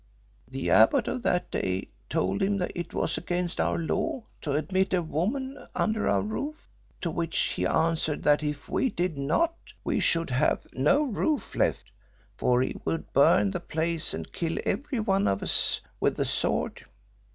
The abbot of that day told him it was against our law to admit a woman under our roof, to which he answered that if we did not, we should have no roof left, for he would burn the place and kill every one of us with the sword.